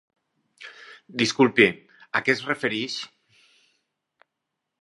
Disculpi, a què es refereix?